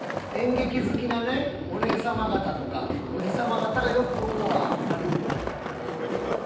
演劇好きなねお姉様方とかおじ様方がよくここは歩いてらっしゃったりして。